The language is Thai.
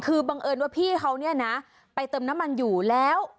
คือบังเอิญว่าพี่เขาเนี่ยนะไปเติมน้ำมันอยู่แล้ว